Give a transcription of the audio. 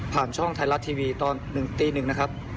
ผ่านช่องไทยรัตทีวีตอนหนึ่งตีหนึ่งนะครับ